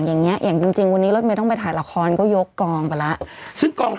อย่างเงี้อย่างจริงจริงวันนี้รถเมย์ต้องไปถ่ายละครก็ยกกองไปแล้วซึ่งกอง